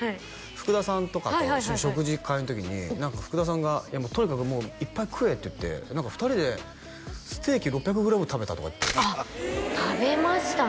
福田さんとかと食事会の時に何か福田さんが「いやもうとにかくいっぱい食え」って言って何か２人でステーキ６００グラム食べたとかってあっ食べましたね